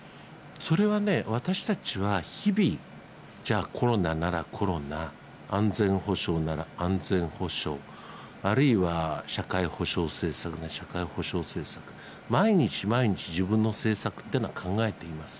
それはね、私たちは日々、じゃあ、コロナならコロナ、安全保障なら安全保障、あるいは社会保障政策なら社会保障政策、毎日毎日、自分の政策というのは考えています。